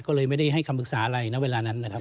ก็เลยไม่ได้ให้คำอึกษาอะไรเวลานั้น